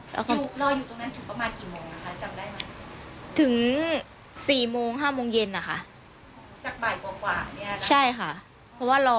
แล้วก็รออยู่ตรงนั้นถึงประมาณกี่โมงนะคะจำได้ไหม